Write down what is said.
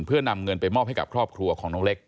เพื่อนำเงินไปมอบให้กับครอบครัวของน้องเล็ก